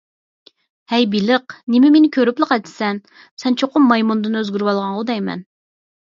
ھەي بېلىق، نېمە مېنى كۆرۈپلا قاچىسەن؟ سەن چوقۇم مايمۇندىن ئۆزگىرىۋالغانغۇ دەيمەن؟